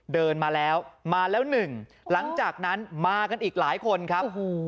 เดินมาแล้วมาแล้วหนึ่งหลังจากนั้นมากันอีกหลายคนครับ